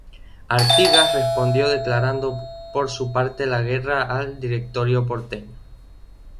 Artigas respondió declarando por su parte la guerra al "directorio porteño".